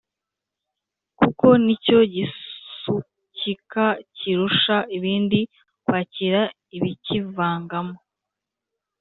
kuko ni cyo gisukika kirusha ibindi kwakira ibikivangamo.